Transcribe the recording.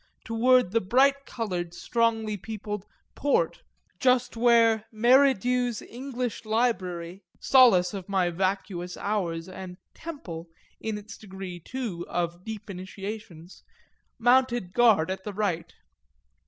toward the bright coloured, strongly peopled Port just where Merridew's English Library, solace of my vacuous hours and temple, in its degree too, of deep initiations, mounted guard at the right.